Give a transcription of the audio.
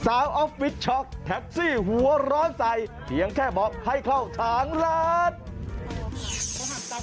สาวออิฟฟิศช็อกแคตซี่หัวร้อนใส้เพียงแค่บอกให้เข้าถังราช